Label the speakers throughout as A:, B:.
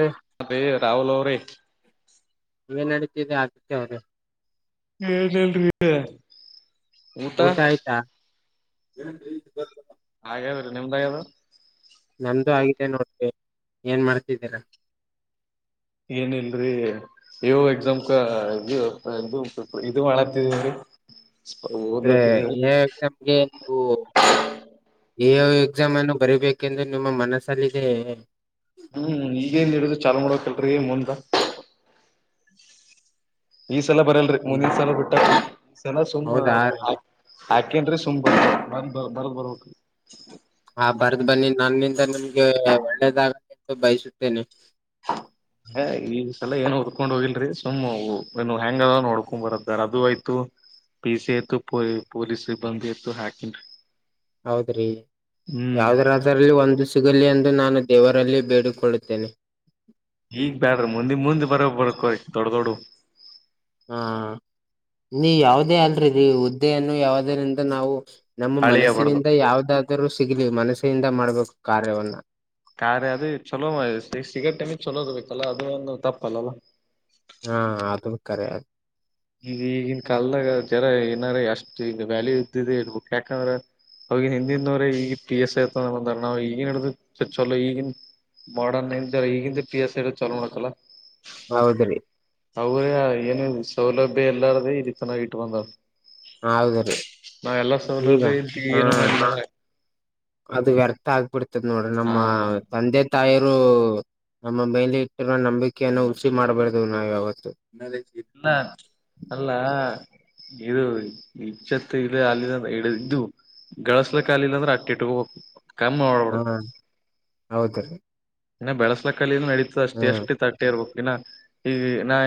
A: ರಿ
B: ಅ ರೇ ರಹುಲ್ ಅವ ರೇ
A: ಏನ್ ನಡತಿದೆ ಅಗತ್ಯ ಹೌದ
B: ಏನ್ [unintelligible] ಹೇಳಲ್ರರಿ
A: ಊಟ ಆಯ್ತಾ?
B: ಹಾಗೇದ್ ರೀ ನಿಮ್ದಾಗ ಅಗ್ಯಾದ
A: ನಮ್ದು ಆಗಿದೆ ನೋಡಿ ರೀ. ಏನ್ ಮಾಡ್ತಿದ್ದೀರಾ?
B: ಏನ ಇಲ್ರರಿ ನೀವು ಎಕ್ಸಾಮ್ ಕ [unintelligible] ಇದು ಮಾಡ
A: ಎಮಗೆು [unintelligible] ಎ ಎಕ್ಸಾಮ್ ಅನ್ನು ಬರಿಬೇಕೆಂದು ನಿಮ್ಮ ಮನಸ್ಸಲ್ಲಿದೆ
B: ಹ್ಮ್ ಈಗೇನ್ ಇದು ಚಾಲ್ ಮಾಡಕಲ್ರೀ ಮುಂದ ಈ ಸಲ ಬರಲ್ರಿ
A: ಹ್ಮ್
B: ಮುಂದಿನ ಸಲ ಬಿಟ್ಟ ಈ ಸಲ ಸುಮ್ಮ್
A: ಹೌದಾ ರೀ.
B: ಆಕೆ ಅಂದ್ರೆ ಸುಮ್ ಬರ್ ಬರ್ ಬರದ್ ಬರ್ಬೇಕ
A: ಹಾ ಬರ್ದ್ ಬನ್ನಿ ನನ್ನಿಂದ ನನ್ಗೆ ಒಳ್ಳೇದಾಗ ಬಯಸುತ್ತೇನೆ
B: ಹ ಈ ಸಲ ಏನು ಒದ್ಕೊಂಡ್ ಹೋಗಿಲ್ರರಿ ಸುಮ್ಮ್ ಏನು ಹೆಯಾಂಗ ಅದ ನೋಡ್ಕೊಂಡ್ ಬರದಾರ ಅದು ಆಯ್ತು ಪ ಸಿ ತ್ತು ಪ [unintelligible] ಪೊಲೀಸ್ ಸಿಬ್ಬಂದಿ ಆತ್ತು ಹಾಕಿನ್ ರೀ
A: ಹೌದ್ರಿ ಯಾವ್ದ್ರಾದ ಅದರಲ್ಲಿ ಒಂದು ಸಿಗಲಿ ಎಂದು ನಾನು ದೇವರಲ್ಲಿ ಬೇಡಿಕೊಳ್ಳುತ್ತೇನೆ.
B: ಈಗ್ ಬೇಡ್ರೀ ಮುಂದಿ ಮುಂದೆ ಬರೋ ಬರ್ ದೊಡ್ಡ ದೊಡ್ಡ
A: ಹಾ ನೀ ಯಾವದೇ ಅಲ್ರಿ ಹುದ್ದೆಯನ್ನು ಯಾವದಿಂದ ನಾವು ನಮ್ಮ
B: ಹಳಿಯ ಬಡ್ದು
A: ಮನಸ್ಸಿನಿಂದ ಯಾವದ್ರು ಸಿಗ್ಲಿ ಮನಸ್ಸಿನಿಂದ ಮಾಡ್ಬೇಕು ಕಾರ್ಯವನ್ನ
B: ಕಾರ್ಯ ಅದೇ ಚಲೋ ಸಿಗಟ್ ಟೈಮಿಗೆ ಚಲೋ ಸಿಗುರ್ಬೇಕೇಕಲ್ಲ ಅದು ಒಂದು ತಪ್ಪಲ್ಲಲ್ಲ
A: ಹಾ.. ಅದು ಕರೇ
B: ಈ ಈಗಿನ ಕಲ್ದಾಗ ಜರ ಏನಾರ ಎಷ್ಟು ಈಗ ವ್ಯಾಲ್ಯೂ ಇದ್ದಿದೆ ಇಬು ಯಾಕಂದ್ರ ಅವಗನ್ ಹಿಂದಿಂದವ್ರ ಈಗ ಪಿ ಎಸ್ ಐ ಆಯತ ಬಂದ ನಾವು ಈಗಿನ್ಡಿದ ಚ ಚಲೋ ಈಗನ್ ಮಾಡನ್ ಇ ಈಗಿಂದ ಪಿ ಎಸ್ ಐ ಚಾ ನೋಕಲ್ಲ [unintelligible]
A: ಹೌದ್ರಿ
B: ಅವ್ರ ಏನು ಸೌಲಭ್ಯ ಎಲ್ಲಾರ್ದೇ ಈ ರೀತನಾಗಿ ಇಟ್ ಬಂದವರು
A: ಹೌದ ರೀ. ಈಗ
B: ಸೌಲಭ್ಯ ಇ
A: ಹಾ
B: ಏನು ಮಾಡಿಲ್ಲ
A: ಅದು ವ್ಯರ್ಥ ಆಗ್ಬಿಡ್ತದ ನೋಡ್ರಿ ನಮ್ಮ
B: ಹಾ
A: ತಂದೆ ತಾಯಿರು ನಮ್ಮ ಮೇಲೆ ಇಟ್ಟಿರೋ ನಂಬಿಕೆಯನ್ನ ಹುಸಿ ಮಾಡ್ಬಾರ್ದ್ ನಾವಾವತ್ತು
B: ಇಲ್ಲ ಅಲ್ಲ ಇದು ಇಜತ್ತು ಇದು ಅಲ್ಲಿ ಇದು [unintelligible] ಗಳಸ್ಲ ಕಾಲ ಇಲ್ಲ ಅಂದ್ರೆ ಅಟ್ಟಿ ಇಟ್ಕೋಬೇಕು ಕಮ್ಮಿ
A: ಹಾ
B: ಮಾಡ್ಬಾರ್ದು
A: ಹೌದ ರೀ
B: ಇನ್ನ ಬೆಳಸಲ ಕಲ್ಲಿ ನಡೀತದ ಅಷ್ಟೇ
A: ಹ್ಮ್
B: ಎಷ್ಟು ತಟ್ಟೆ ಇರ್ಬೇಕು ಇನ್ನ ಈಗ ನಾ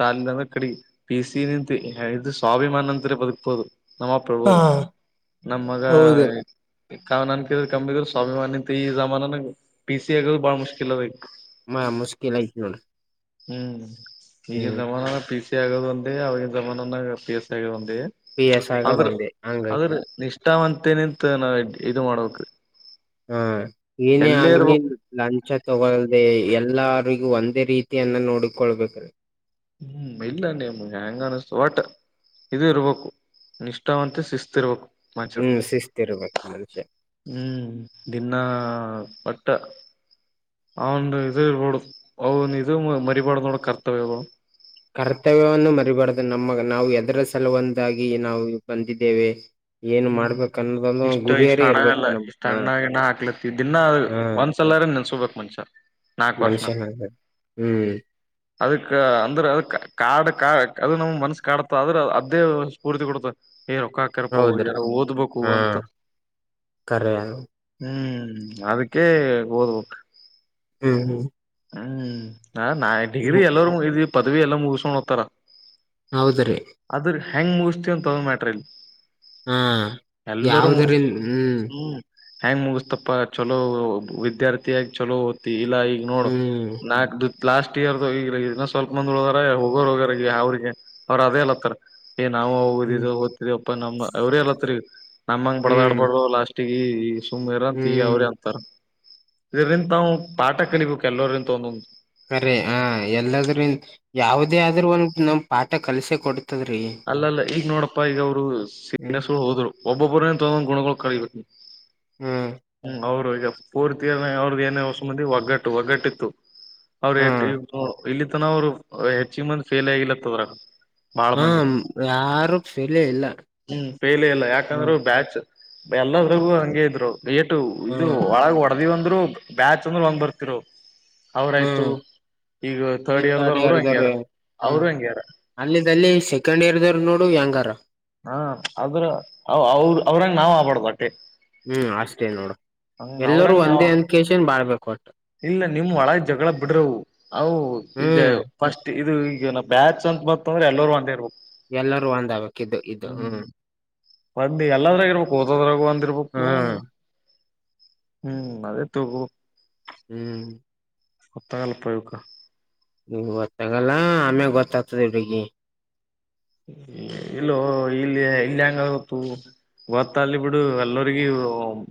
B: ತಾಲಿಂದ ಅಂದ್ರೆ ಕಡಿ ಪ ಸಿ ನಿಂತ [unintelligible] ಇದು ಸ್ವಾಭಿಮಾನ ಅಂತ್ರ ಬದುಕ್ಬೋದು ನಮ್ಮ ಅಪ್ಪಳಬ [unintelligible] ನಮ್ಮ ಮಗ
A: ಹೌದ್ರಿ
B: ಕ ನಾನ ಕಮ್ಮ [unintelligible] ಸ್ವಾಭಿಮಾನಿ ತ ಈ ಜಮಾನಾನ ಗ ಬಾ [unintelligible] ಮುಶ್ಕಿಲ್ಲಲ್ಲದ
A: ಮ ಮುಶ್ಕಿಲ ಆಯ್ತು ನೋಡ್
B: ಹ್ಮ್ ಈಗಿನ ಜಮಾನ ಪಿ ಸಿ ಆಗೋದ ಒಂದ ಅವವಾಗಿನ ಜಮಾನಾಗ ಪಿ ಎಸ್ ಸಿ ಆಗದ ಒಂದ
A: ಪಿ ಎಸ್ ಆಗದ
B: ಅ್ರ
A: ಒಂದೇ ಹಂಗೈತಿ
B: ಅದ್ರ ನಿಷಾವಂತೇನಂತ ನಾವ ಇ ಮಾಡಕ್
A: ಹಾ ಏನೇ ಆಗ್ಲಿ ಲಂಚ ತಗಲ್ದೆ. ಎಲ್ಲರಿಗೂ ಒಂದೇ ರೀತಿಯನ್ನ ನೋಡ್ಕೊಳ್ಬೇಕ್
B: ಹ್ಮ್ ಇಲ್ಲ ನೀಮ್ ಹೆಯಾಂಗ ಅನಿಸತು ವಟ ಇದು ಇರ್ಬೇಕು ನಿಷ್ಠಾವಂತೆ ಶಿಸ್ತಿರ್ಬೇಕು
A: ಹ್ಮ್ ಶಿಸ್ತಿರ್ಬೇಕು ಅಷೆ
B: ಹ್ಮ್ ದಿನಾ ಒಟ್ಟ ಅವನು ಇ ಅವನ್ ಇದು ಮರಿಬಾ ನೋಡ ಕರ್ತವ್ಯಗಳು
A: ಕರ್ತವ್ಯವನ್ನು ಮರಿಬಾರ್ದು ನಮ್ಮ ನಾವು ಎದರ ಸಲುವೊಂದಾಗಿ ನಾವು ಬಂದಿದ್ದೇವೆ ಏನ್
B: ಹ್ಮ್
A: ಮಾಡ್ಬೇಕ ಅನ್ನೋದೊಂದು ಒಂದ್
B: ಇಷ್ಟ ಇಷ್ಟು
A: ಗುರಿಯರೇ
B: ಹಣ
A: ಇರ್ಬೇಕು
B: ಎಲ್ಲ
A: ನಮ್
B: ಇಷ್ಟ
A: ಹ
B: ಅಣ್ಣಣ ಹಾಕ್ಲತ್ತ ದಿನ
A: ಹಾ
B: ಒಂದ ಸಲ್ಲಾರ ನನ್ ಸೋಬೇಕ ಮನ್ಸರ್
A: ಮನುಷ್ಯ ಹಾ ಹಾ ಹ್ಮ್
B: ಅದಕ್ ಅಂದ್ರೆ ಅದ ಕಾಡ್ ಕಾ ಅದದು ನಮ ಮನಸ್ಸ ಕಾಡತ ಆದ್ರೆ ಅದೇ ಸ್ಫೂರ್ತಿ ಕೊಡತ ಏ ರೊಕ್ಕ ಹಕರ್ಪ
A: ಹೌದ್ರಿ
B: ಜರ ಓದ್ಬೇಕು
A: ಹಾ
B: ಅಂತ
A: ಕರೆ ಹ್ಮ್
B: ಹ್ಮ್ ಅದಕ್ಕೆೇ ಓದ್ಬೇಕು
A: ಹ್ಮ್ ಹ್ಮ್
B: ಹ್ಮ್ ನಾ ಡಿಗ್ರಿ
A: ಹ್ಮ್
B: ಎಲ್ಲೂ ಇದ್ವಿ ಪದವಿ ಎಲ್ಲ ಮುಗಸ್ಕೊಂಡ್ ಹೋಗ್ತಾರ
A: ಹೌದ್ರೀ
B: ಅದ್ರ ಹೆಂಗ್ ಮುಗಿಸತಿವನ್ ತಗೊಂಡ ಮಾಡಟ್ರ ಇಲ್
A: ಹಾ ಯಾವ್ದರಿಂದ ಹ್ಮ್
B: ಹೆಯಾಂಗ್ ಮುಗಿಸತಪ್ಪಾ ಚಲೋ ವಿದ್ಯಾರ್ಥಿ ಆ ಚಲೋ ಓಡ್ತಿ ಇಲ್ಲ ಈಗ
A: ಹ್ಮ್
B: ನಾಕ್ ಲಾಸ್ಟ್ ಇಯರ್ದ ಇದನ್ನ ಸ್ವಲ್ಪ ಮಂದ್ ಉಳದಾರ ಹೋಗೋರು ಹೋಗಾರ ಅವ್ರಿಗೆ ಅವ್ರ ಅದೇ ಇಲ್ಲತ್ತಾರ ಏ ನಾವವು ಹೋಗುದಿದ
A: ಹ್ಮ್
B: ಓದ್ತಿದ ಅಪ್ಪ ನಮ್ಮ ಅವ್ರ ಎಲ್ಲತ್ರಿ ನಮ್ಮಂಗ
A: ಹ್ಮ್
B: ಬಡದಾಡ್ಬಡರು ಲಾಸ್ಟ್ ಗ ಈ ಸುಮ್ರ ಅಂತ ಈಗ ಅವ್ರೇ
A: ಹ್ಮ್
B: ಅಂತಾರ ಇದ್ರಂದ ತಾವು ಪಾಠ ಕಲಿಬೇಕ ಕೆಲವೋರಿ ತೊ
A: ಸರಿ ಹ ಎಲ್ಲದ್ರೂ ಯಾವದೇ ಆದ್ರೂ ಒಂದ ನಮ ಪಾಠ ಕಲ್ಸೆ ಕೊಡ್ತದ್ರೀ
B: ಅಲ್ಲಲ್ಲ ಈಗ ನೋಡಪ್ಪ ಈಗ ಅವರು
A: ಹ್ಮ್
B: ಸಸ ಹೋದ್ರು ಒಬ್ಬೊಬ್ರೇನ್ ತೊಗೊಂದ್ ಗುಣಗಳು ಕ
A: ಹ್ಮ್
B: ಹ್ಮ್ ಅವರು ಈಗ ಪೋರ್ತಿಯರ್ನ ಅವ್ರ್ದ ನೇಸಂದಿ ಒಗ್ಗಟ್ಟು ಒಗ್ಗಟ್ಟಿತ್ತು ಅವ್ರ
A: ಹ್ಮ್
B: ಇಲ್ಲಿ ತನ ಅವ್ರು ಹೆಚ್ಚಿ ಮಂದಿ ಫೇಲ್ ಆಗಿಲತ್ತದ್ರ
A: ಹಾ ಯಾರು ಸಲ ಇಲ್ಲ
B: ಹ್ಮ್ ಫೇಲ್ ಇಲ್ಲ ಯಾಕಂದ್ರೆ
A: ಹ್ಮ್
B: ಬ್ಯಾಚ್ ಎಲ್ಲದ್ರಗೂ ಹಂಗೆ ಇದ್ರು ಥೇಟ್ ಇದು
A: ಹ್ಮ್
B: ಒಳಗ ಹೊಡೆದಿವವ ಅಂದ್ರು ಬ್ಯಾಚ್ ಅಂದ್ರ ಒಂಗ್ ಬರ್ತಿರು ಅವ್ರಾಯ್ತು
A: ಹ್ಮ್
B: ಈಗ
A: ಈ
B: ಥರ್ಡ್ ಇಯರ್
A: ತರ್ಡ್
B: ದವರ್ ಅವರು ಹೆಂಗ್ಯಾರ ಅವರು ಹೆಂಗ್ಯಾರ
A: ಅಲ್ಲಿ ಅಲ್ಲಿ ಸೆಕೆಂಡ್ ಇಯರ್ ದವ್ರ ನೋಡು ವ್ಯಾಂಗಾರ
B: ಹಾ ಆದ್ರ ಅವ ಅವ್ರ ಅವ್ರಂಗ ನಾವ್ ಆಬಾರ್ದ ಅಟ್ಟೆ
A: ಹ್ಮ್ ಅಷ್ಟೇ ನೋಡು
B: ಹಂಗ
A: ಎಲ್ಲರೂ
B: ಅವ್ರಂಗ
A: ಒಂದೇ
B: ನಾವ್
A: ಒಂದ್ ಕೆೇಶನ್ ಬಾಳ್ಬೇಕುಂಟು
B: ಇಲ್ಲ ನಿಮ ಒಳ ಜಗಳ ಬಿಡ್ರವು ಅವು ಇ
A: ಹ್ಮ್
B: ಫಸ್ಟ್ ಇದು ಈಗ ನ ಬ್ಯಾಚ್ ಅಂತತ್ತ್ತ ಅಂದ್ರೆ ಎಲ್ಲರೂ ಒಂದೇ ಇರ್ಬೇಕು
A: ಎಲ್ಲರೂ ಒಂದಕ್ ಇದು ಹ್ಮ್
B: ಬಂದ ಎಲ್ಲದ್ರಾಗಾಗಿ ಇರ್ಬೇಕು ಓದೋದ್ರಾಗು ಅಂದಿರ್ಬೇಕು
A: ಹಾ
B: ಹ್ಮ್ ಅದೇ ತುಗು
A: ಹ್ಮ್
B: ಹೊತ್ತಾಗಲ್ಪಯುಗ
A: ನೀ ಗೊತ್ತಾಗಲ್ಲ ಆಮೇ ಗೊತ್ತಾಗ್ತದೆ ಬೆಗಿ
B: ಇಲ್ಲ ಇಲ್ಲಿ ಇಲ್ಲಿ ಹೆಂಗಗತ್ತು ಗೊತ್ ಅಲ್ಲಿ ಬಿಡು ಎಲ್ಲೋರಿಗಿ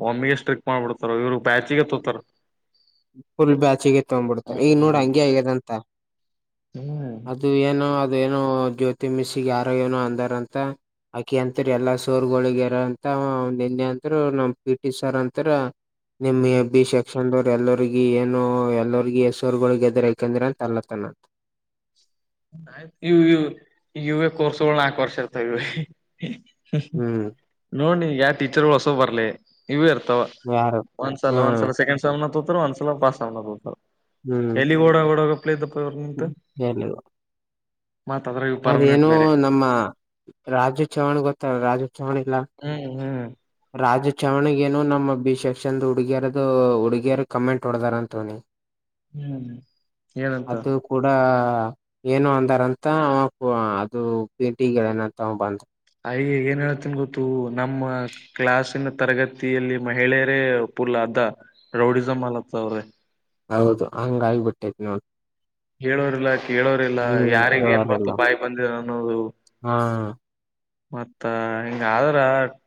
B: ಒಮ್ಮಿಗೆ ಸ್ಟ್ರಿಕ್ ಮಾಡ್ಬಿಡ್ತಾರ ಇವರು ಬ್ಯಾಚಿಗೇ ತೊತಾರ್
A: [inaudible] ಫುಲ್ ಬ್ಯಾಚಿಗೆ ತೊಂಬುಡ್ತಾ ಈಗ್ ನೋಡ
B: ಹ್ಮ್
A: ಹಂಗೆ ಆಗ್ಯದಂತ
B: ಹ್ಮ್
A: ಅ ಇದು ಏನೋ ಅದು ಏನೋ ಜ್ಯೋತಿ ಮಿಸ್ಸಿಗೆ ಯಾರ ಏನೋ ಅಂದಾರಂತೆ. ಆಕಿ ಅಂತೀರ ಎಲ್ಲಾ ಸಾರ್ ಗಳುಹೋಗ್ಯಾರ ಅಂತ ನಿನ್ನೆ ಅಂದರು ನಮ್ ಪಿ ಟಿ ಸರ್ ಅಂತರ ನಿಮ್ಮ್ ಎ ಬಿ ಸೆಕ್ಷನ್ದೊ ಎಲ್ಲೋರಿಗಿ ಏನೊ ಎಲ್ಲೋರಿಗಿ ಹೆಸರುಗಳಗೆದ್ರ ಯಾಕೆಂದ್ರೆ ಅಂತ ಅನ್ಲಾತನ
B: ಆಯ್ತು ಇವ್ ಇವ್ ಕೋರ್ಸುಗೊಳ್ಗ್ ನಾಲ್ಕು ವರ್ಷ್ ಇರ್ತಾವ್ ಇವೆ
A: ಹ್ಮ್
B: ನೋಡ್ ನೀ ಯಾ ಟೀಚರ್ಗಳು ಹೊಸವ್ ಬರ್ಲೆ ಇವೆ ಇರ್ತಾವ
A: ಯಾರು
B: ಒಂದ್ ಸಲ ಒಂದ್
A: ಹ್ಮ್
B: ಸಲ ಸೆಕಂಡ್ [unintelligible] ತೋತಾರ ಒಂದ್ಸಲ ಪಾಸ್ನ ತೋತಾರ
A: ಹ್ಮ್
B: ಎಲ್ಲಿ ಓಡ ಓಡೋಗಪ್ ಇದ್ದಪ್ಪ ಇವ್ರ ನಿಂತ
A: [inaudible]
B: ಮತ್ತದ್ರಾಗ
A: ಅದೇನೂ ನಮ್ಮ ರಾಜು ಚವ್ಹಾಣ್ ಗೊತ್ತ ರಾಜು ಚವ್ಹಾಣ್ ಇಲ್ಲಾ
B: ಹ್ಮ್ ಹ್
A: ರಾಜು ಚವಣಗ ನು ನಮ್ಮ ಬಿ ಸೆಕ್ಷನ್ ಹುಡುಗೆರದು ಹುಡುಗೆಯರ್ ಕಮೆಂಟ್ ಹೊಡ್ದಾರಂತವ್ನಿಗೆ
B: ಹ್ಮ್ ಏನಂತ
A: ಅದು ಕೂಡ ಏನು ಅಂದಾರಂತ ಅದು ಪಿ ಟೆಗೆಳ್ಯಾನಂತ ಅವ ಬಂದ್
B: ಅಯ್ ಏನ್ ಹೇಳೇತನ್ ಗೊತ್ತೂ ನಮ್ಮ ಕ್ಲಾಸಿನ ತರಗತಿಯಲ್ಲಿ ಮಹಿಳೆಯರೇ ಪುಲ್ ಅರ್ದ ರೌಡಿಸಮ್ ಅಲತ್ತ ಅವ್ರೆ
A: ಹೌದು ಹಂಗ ಆಗ್ಬಿಟ್ಟೈತ್ ನೋಡ್
B: ಹೇಳೋರಿಲ್ಲ ಕೇಳೋರಿಲ್ಲ
A: ಹ್ಮ್
B: ಯಾರಿಗ್ ಏನ್ ಬತು
A: ಕೇಳೋರೆಲ್ಲ
B: ಬಾಯಿ ಬಂದಿದೆ ಅನ್ನೂದು
A: ಹಾ
B: ಮತ್ತ ಹಿಂಗ್ ಆದ್ರ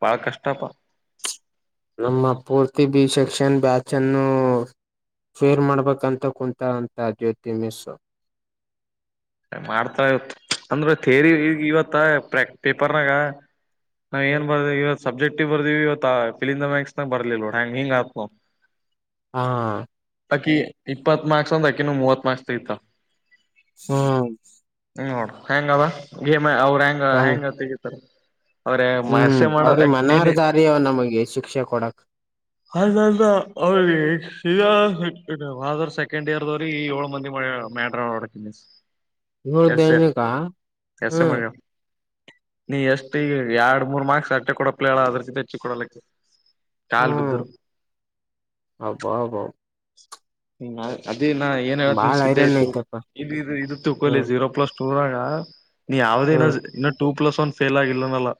B: ಬಾಳ್ ಕಷ್ಟಪ
A: ನಮ್ಮ ಪೂರ್ತಿ ಬಿ ಸೆಕ್ಷನ್ ಬ್ಯಾಚ್ ಅನ್ನು ಫೇಲ್ ಮಾಡ್ಬೇಕಂತ ಕುಂತರ್ ಅಂತ ಆ ಜ್ಯೋತಿ ಮಿಸ್
B: ಮಾಡ್ತಾ ಇತ್ ಅಂದ್ರ ಥೇರಿ ಈಗ ಇವತ್ತ ಪ್ರಕ್ ಪೇಪರ್ನಾಗ ನಾವ್ ಏನ್ ಬರ್ದೆ ಇವತ್ ಸಬ್ಜೆಕ್ಟ್ ಬರ್ವತ್ ಫಿಲ್ ಇಂದ ಬಾಕ್ಸ್ ಮಕ್ಸ್ನಾಗ ಬರ್ಲಿಲ್ ನೋಡ್ ಹ ಹೆ ಹಿಂಗ ಆತ್
A: ಹಾ
B: ಅಕಿ ಇಪ್ಪತ್ ಮಾರ್ಕ್ಸ್ ಅಂದ್ ಅಕಿನು ಮೂವತ್ ಮಾರ್ಕ್ಸ್ ತಗಿತಳ್
A: ಸೊ
B: ಹ್ಮ ನೋಡ ಹೆಂಗದ ಗೇಮ್ ಅವ್ರ ಹೆಂಗ್ ಹೆಂಗ್ ತೆಗತಾರ
A: ಹ್ಮ್ ಅವ್ರಿಗ್ ಮನಾರ್ ಸಾರಿಅವ ನಮಗ್ ಶಿಕ್ಷೆ ಕೊಡಾಕ್
B: ಅದ ಅದ ಅವ್ರಗ [unintelligible] ಹೋದವರ್ಷ್ ಸೆಕೆಂಡ್ ಇಯರ್ದವ್ರಿಗಿ ಏಳ್ ಮಂದಿಗಿ ಮಾಡ್ಯಾಳ ಮಡ್ರಾಳ್ ನೊಡ್ ಮಿಸ್
A: ಮೂರ್ ದಿಸುಕ್ಕಾ
B: ಎಸ್ ಎ ಮಳ ನೀ ಎಷ್ಟು ಈಗ ಎರಡ್ ಮೂರ್ ಮಾರ್ಕ್ಸ್ ಅಷ್ಟೇ ಕೊಡಪ್ಲೆಳ ಅದ್ರ ಕಿತ ಹೆಚ್ಚಿ ಕೊಡಲಕ್ಕಿ ಕಾಲ್
A: ಹ್ಮ್
B: ಬಿದ್ರು
A: ಅಬ್ಬ ಅಬ್ಬಬಾ
B: ಹ ಅದೇ ನಾ ಏನ್ಹೇಳತ್ಈನ್
A: ಬಾಳ
B: ಸಿದ್ದೇಶ್
A: ಐರನ್
B: [unintelligible] ಆಯ್ತು
A: ಐತಪ್ಪ
B: ಇದ್ ಇದ್ ಇದು ತಿಕೊಲೆ
A: ಹ್ಮ್
B: ಜೀರೋ ಪ್ಲಸ್ ಊರಾಗ ನೀ ಯಾವ್ದೇ ಇನ
A: ಹ್ಮ್
B: ಇನ್ನ ಟೂ ಪ್ಲಸ್ ಒನ್ ಫೇಲ್ ಆಗಿಲ್ಲನಲ್ಲ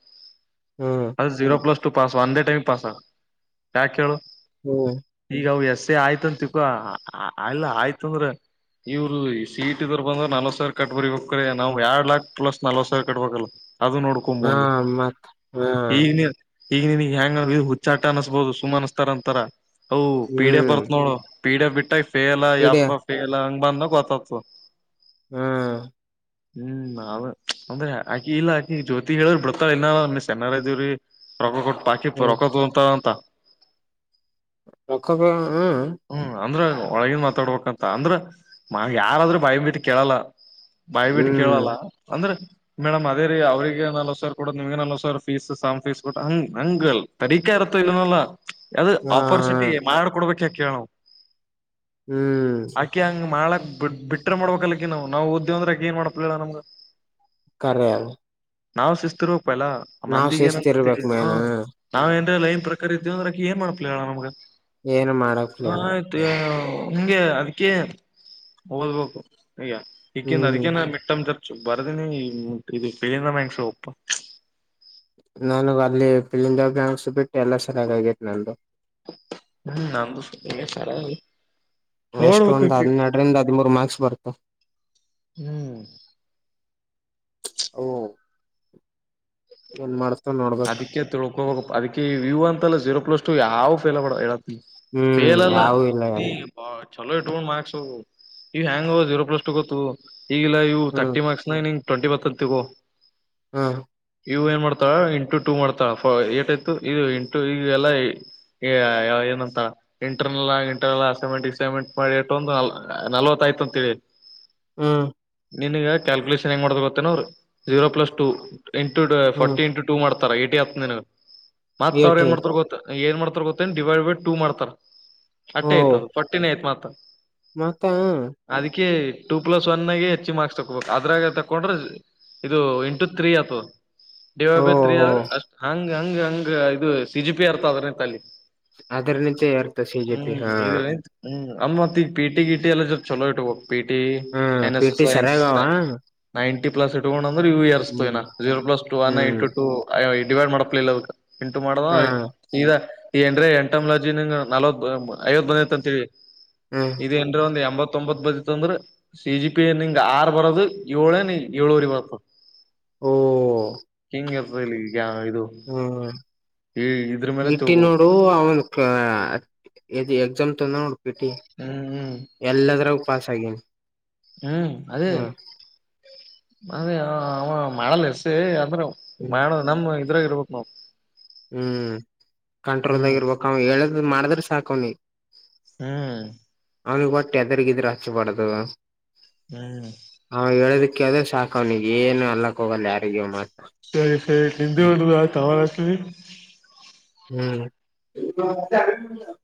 A: ಹ್ಮ
B: ಅದುಝೀರೋ ಪ್ಲಸ್ ಟು ಪಾಸ್ ಒಂದೇ ಟೈಮ್ ಪಾಸ್ ಯಾಕೆ ಹೇಳು
A: ಹ್ಮ್
B: ಈಗ ಅವ್ ಎಸ್ಸೇ ಆಯ್ತಂತ ತಿಕ್ಕೋ ಆಲ್ಲ ಆಯ್ತುಂದ್ರ ಇವ್ರು ಸೀಇಟಿ ದೊರ್ ಬಂದ್ರ್ ನಲ್ವತ್ ಸಾರ ಕಟ್ಬರಿಬೇಕ್ಕರೆ ನಾವ್ ಎರಡ್ ಲಾಕ್ಸ್ ಪ್ಲಸ್ ನಲ್ವತ್ ಸಾರ ಕಟ್ಬಕಲ್ಲ. ಅದು
A: ಹಾ
B: ನೋಡ್ಕೊಮೊದ್ಲ
A: ಮತ್ ಹಾ
B: ಈಗ ಈಗ ನಿನಗ್ ಹೆಂಗ ಇದ್ ಹುಚ್ಚಾಟ ಅನಸ್ಬೋದು ಸುಮ್ ಅನಸ್ತಾರಂತಾರ ಅವು ಪೀಡೆ
A: ಹ್ಮ್
B: ಬರ್ತ್ ನೋಡು ಪೀಡಿಎಪ್ ಬಿಟ್ಟಗಾ ಫೇಲ್
A: ಇಡಿಯ
B: ಯಪ್ಪಾ ಫೇಲ್ ಹಂಗ ಬಂದ ಗೊತ್ತಾತದ್
A: ಹಾ
B: ಹುಂ ನಾವ್ ಅಂದ್ರೆ ಆಕಿ ಇಲ್ಲಾ ಆಕಿ ಜ್ಯೋತಿ ಹೇಳಿದ್ರ ಬಿಡ್ತಾಳ ಇನ್ನಾ ಸಣ್ಣಾರ ಅದ್ದಿವ್ರೀ ರೊಕ್ಕ ಕೊಟ್ಟು ಪಾಕಿತ್ತು
A: ಹ್ಮ್
B: ರೊಕ್ಕ ತೋಗೋತಾಳಂತ
A: ರೊಕ್ಕಾ ಬಿಡಲಾ ಹ
B: ಹು ಅಂದ್ರ ಒಳಗಿ ನ್ ಮಾತಾಡ್ಬೇಕಂತ ಅಂದ್ರ ಯಾರಾದ್ರೂ ಬಾಯ ಬಿಟ್ಟು ಕೇಳಲ್ಲಾ ಬಾಯ್ ಬಿಟ್ಟು
A: ಹ್ಮ್
B: ಕೇಳಲ್ಲಾ ಅಂದ್ರ ಮೇಡಮ್ ಅದೇ ರಿ ಅವ್ರಗ ನಲ್ವತ್ತ ಸಾವಿರ ಕೊಡದ ನಿಮಗೆ ನಲ್ವತ್ತ ಸಾವಿರ ಫೀಸ್ ಸ್ ಫೀಸ್ ಕೊಟ್ಟ ಹಂಗ್ ಹಂಗಲ್ ತಡೀಕಾ ಇರುತ್ತೋ ಇದನಲ್ಲಾ ಅದು
A: ಹಾ
B: ಆಪರ್ಚುನೆಟಿ ಮಾಡಡ್ಬೇಕ ಯಾಕ ಕೇಳವ
A: ಹುಂ
B: ಆಕಿ ಹಂಗ್ ಮಾಡಕ್ ಬಿ ಬಿಟ್ರೆ ಮಾಡ್ಬೇಕ ಆಕಿ ನಾವು ಓತಿದ್ದವೆಂದರ ಏನ್ ಮಾಡಪ್ಲಿಲ್ಲಡ ನಮ್ಗ
A: ಕರೆ ಅದ
B: ನಾವ್ ಶಿಸ್ತು ಇರಬೇಕ ಫೈಲಾ
A: ನಾವ್
B: ಮಂದಿಗ
A: ಶಿಸ್ತಿರ್ಬೇಕ್
B: ಏನತ್ತವಿ ಹ
A: ಮೇನ್
B: ನಾವ ಏನ್ರ ಲೈನ್ ಪ್ರಕಾರ ಇದ್ವಿ ಅಂದರ್ ಏನ್ ಮಾಡ್ಲಪೆ ಆಳ ನಮಗ
A: ಏನ್ ಮಾಡಕ್
B: ಹ ಆಯ್ತು ಹಂಗೆ ಅದಕೇ ಓದಬೇಕು ಈಗ ಇಕಿಂದ
A: ಹ್ಮ್
B: ಅದಕೇ ನ ಮಿಟ್ಟಮ್ ಜರ್ ಬರ್ದಿನಿ ಇದು ಪೆಲ್ ಒಪ್ಪ [unintelligible]
A: ನನಗ ಅಲ್ಲಿ ಫಿಲ್ ಇಂದ ಬ್ಯಾಂಕ್ಸ್ ಬಿಟ್ಟು ಎಲ್ಲಾ ಸರಿಯಾಗಿ ಆಗೇತಿ ನಂದು
B: ಹುಂ ನಂದು [unintelligible]
A: ನೆಕ್ಸ್ಟ್ ಒಂದು
B: ನೋಡ್ಬೇಕಕಿ
A: ಹನ್ನೆರಡ್ರಿಂದ ಹದಿಮೂರು ಮಾರ್ಕ್ಸ್ ಬರತಾವ
B: ಹುಂ
A: ಓ ಏನ್ ಮಾಡ್ತವ ನೋಡ್ಬೇಕ
B: ತಿಳ್ಕೋಬೇಕ ಅದಕ್ಕೆ ಇವು ಅಂತಲ್ಲಾ ಜೀರೋ ಪ್ಲಸ್ ಟು ಯಾವ ಫೇಲ್ ಆಗ್ಬಾರ್ದ.
A: ಹ್ಮ್
B: ಪೇಲ ಅಲ್ಲಾ
A: ಯಾವು ಇಲ್ಲ
B: ನೀ
A: ಎಲ್ಲ
B: ಹಾ ಚಲೋ ಇಟಕೊಂಡ ಮಾರ್ಕ್ಸ್ ಇವ್ ಹೆಂಗ್ ಜೀರೋ ಪ್ಲಸ್ ಟು ಗೊತ್ತು ಈಗಲ್ಲ ಇವು
A: ಹ್ಮ್
B: ತರ್ಟಿ ಮಾರ್ಕ್ಸ್ ನಿಂಗ್ ಟ್ವೆಂಟಿಬಂತ್ ಅಂತ ತಿಳ್ಕೊ
A: ಹ್ಮ್
B: ಇವು ಏನ್ ಮಾಡ್ತಾಳ್ ಟು ಟು ಮಾಡ್ತಳ ಫ ಏಟ್ ಇತು ಇದು ಇಂಟು ಇವೇಲಾ ಏನಂತಾಳ ಇಂಟರ್ನಲ್ ಆ ಇಂಟರ್ನಲ್ ಅಸೈನ್ಮೆಂಟ್ ಇಸೆಮೆಂಟ್ ಮಾಡಿಟ್ಟ ಒಂದು ನಲ್ವತ್ ಆಯ್ತ ಅಂತ ತಿಳಿ
A: ಹುಂ
B: ನಿನ್ನಗ ಕ್ಯಾಲ್ಕುಲೇಷನ್ ಹೆಂಗ ಮಾಡ ಗೊತ್ತೇನವರ್ ಜೀರೋ ಪ್ಲಸ್ ಟು ಇಂಟು
A: ಹ್ಮ್
B: ಫಾರ್ಟಿ ಇಂಟು ಟು ಮಾಡ್ತಾರ ಏಟಿ ಆಯ್ತದ ನಿಂಗ್ ಮತ್ತ ಅವರು
A: ಏಟ
B: ಏನ್ ಮಾಡ್ತಾರ ಗೊತ್ತನ್ ಏನ್ ಮಾಡ್ತಾರ ಗೊತ್ತೇನ ಡಿವೈಡ್ ಬೈ ಟೂ ಮಾಡ್ತಾರ ಅಟ್ಟೆ ಆಯ್ತದು ಫೊರ್ಟ್ಟಿನ ಆಯ್ತ್ ಮತ್
A: ಮತ್ತ್
B: ಅದಿಕ್ಕೆ ಟೂ ಪ್ಲಸ್ ಒನಾಗೆ ಹೆಚ್ಚಗಿ ಮಾರ್ಕ್ಸ್ ತಕೊಬೇಕು ಅದ್ರಾಗ ತಕೊಂಡ್ರ ಇದು ಇಂಟು ತ್ರೀ ಅತದ ಡಿವೈಡೆಡ್ ಬೈ ತ್ರಿ
A: ಓಹೋ
B: ಆದ್ರ ಹಂಗ ಹಂಗ ಹಂಗ ಇದು ತಿಜುಪಿ ಅರ್ತ ಆದ್ರ ತಲ್ಲಿ
A: ಅದ್ರಲಿಂತ ಇರ್ತ ಸಿ ಜೆ ಪಿ
B: ಹ್
A: ಹಾ
B: ಇದ್ರೆ ಹುಂ ಅಮ್ ಮತ್ ಈಗ ಪಿಟಿ ಇ ಟಿ ಎಲ್ಲ ಚೊಲೋ ಇಟಗೋ ಪಿ ಟಿ
A: ಹ್ಮ್
B: N
A: P
B: S S
A: T
B: S
A: ಸರಿಯಾಗವ
B: ನೈಂಟಿ ಪ್ಲಸ್ ಇಟ್ಕೊಂಡಂದ್ರ ಇವು ಏರಸ್ತಿವ
A: ಹ್ಮ್
B: ಇವ್ ಜೀರೋ ಪ್ಲಸ್ ಟೂ ಒನ್
A: ಹ್ಮ್
B: ಡಿವೈಡ್ ಮಾಡಪ್ಲೆ ಇಲ್ಲ ಅದಕ ಇಂಟು ಮಾಡದ
A: ಹಾ
B: ಈ ಏನ್ರ ಎಂಟ್ ನಲ್ವತ್ ಐವತ್ ಬಂದೈತಿ ಅಂತ ತಿಳಿ
A: ಹ್ಮ್
B: ಇದೇ ಎಂಬತ್ತೊಂಬತ್ ಬದತ್ಂದ್ರ ಸಿ ಜಿ ಪಿ ನಿಂಗ ಆರ್ ಬರೋದು ಏಳ ಏಳುವರಿ ಬರ್ತದಾ
A: ಓ
B: ಇರ್ತದ ಇಲ್ಲಿ ಇದು
A: ಹುಂ
B: ಈ ಇದ್ರ ಮೇಲೆ
A: ಇಟ್ಟಿ
B: ತಿಳ್ಕೋಬೇಕು
A: ನೋಡು ಅವನ್ ಎ ಎಕ್ಸಾಮ್ ತನ ನೋಡ ಟಿ
B: ಹ್ಮ್ ಹ್ಮ್
A: ಎಲ್ಲದರು ಪಾಸ್ ಆಗನಿ.
B: ಹ್ಮ್ ಅದೇ ಮ ಅವ ಮಾಡಲ್ ಇರ್ಸಿ ಅಂದ್ರ.
A: ಹ್ಮ್
B: ಮಾಡ ನಮ ಇದ್ರಾಗ ಇರ್ಬೇಕ ನಾವು.
A: ಹ್ಮ್ ಕಂಟ್ರೋಲ್ದಾಗಿ ಇರ್ಬೇಕ ಅವ ಹೇಳದ ಮಾಡಿದ್ರೆ ಸಾಕವನಿಗೆ.
B: ಹ್ಮ್
A: ಅವ್ನಿಗೆ ಒಟ್ಟು ಎದರ್ಗಿದ್ರರು ಹಚ್ಚಬಾರ್ದದು
B: ಹ್ಮ್
A: ಹ ಹೇಳೋದಕ್ಕೆ ಕೇಳಿದ್ರೆ ಸಾಕ ಅವ್ನಿಗೆ ಏನು ಅನೋಕ್ಕ ಹೋಗಲ್ಲ ಯಾರಿಗೂ ಮಾ
B: ಸರಿ ಸರಿ [unintelligible] ತಮರಾ [unintelligible]
A: ಹ್ಮ್ [unintelligible] [unintelligible]